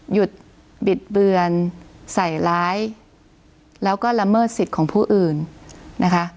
บิดเบือนใส่ร้ายแล้วก็ละเมิดสิทธิ์ของผู้อื่นนะคะ